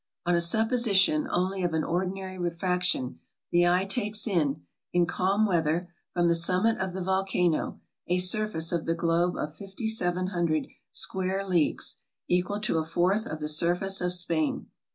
On a supposition only of an ordinary refraction, the eye takes in, in calm weather, from the summit of the volcano, a surface of the globe of 5700 square leagues, equal to a fourth of the sur MISCELLANEOUS 415 face of Spain.